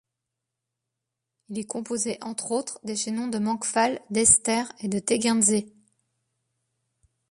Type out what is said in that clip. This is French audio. Il est composé entre autres des chaînons de Mangfall, d'Ester et de Tegernsee.